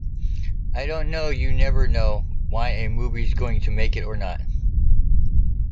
I don't know-you never know why a movie's going to make it or not.